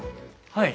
はい。